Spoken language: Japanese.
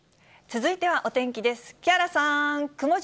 続いてはお天気です。